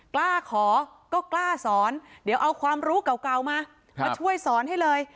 กล้าขอก็กล้าสอนเดี๋ยวเอาความรู้เก่ามามาช่วยสอนให้เลย